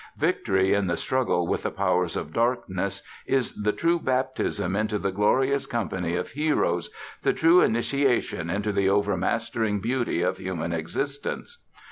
Victory, in this struggle with the powers of darkness, is the true baptism into the glorious company of heroes, the true initiation into the overmastering beauty of human existence.